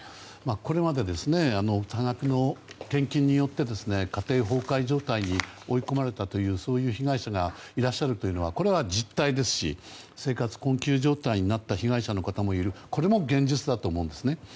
これまで、多額の献金によって家庭崩壊状態に追い込まれたというそういう被害者がいらっしゃるというのはこれは実態ですし生活困窮状態になった被害者の方もいるというこれも現実だと思うんです。